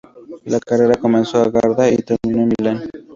La carrera comenzó en Garda y terminó en Milán.